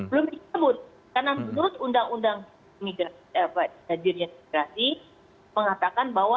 belum disebut karena menurut undang undang dirjen imigrasi mengatakan bahwa